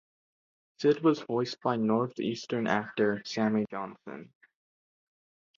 Sid was voiced by Northeastern actor Sammy Johnson.